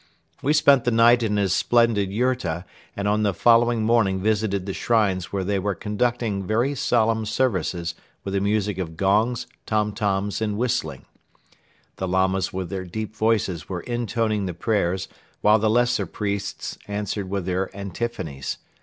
We spent the night in his splendid yurta and on the following morning visited the shrines where they were conducting very solemn services with the music of gongs, tom toms and whistling. The Lamas with their deep voices were intoning the prayers while the lesser priests answered with their antiphonies.